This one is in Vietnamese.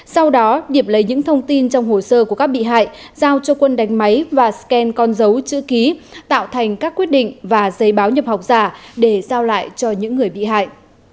sau đó điệp lấy những thông tin trong hồ sơ của các bị hại giao cho quân đánh máy và scan con dấu chữ ký tạo thành các quyết định và giấy báo nhập học giả để giao lại cho những người bị hại